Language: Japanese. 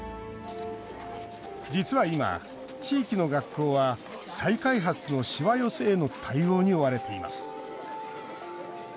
実は今、地域の学校は再開発の、しわ寄せへの対応に追われています。